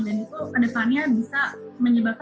dan itu ke depannya bisa menyebabkan keterbatasan